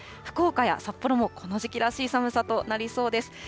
福岡や札幌もこの時期らしい寒さとなりそうです。